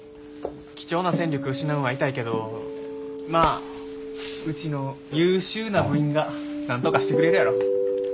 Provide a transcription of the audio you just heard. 貴重な戦力失うんは痛いけどまあうちの優秀な部員がなんとかしてくれるやろ。